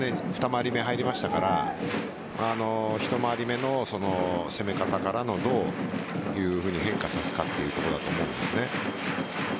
２回り目に入りましたから１回り目の攻め方からどういうふうに変化させるかというところだと思うんです。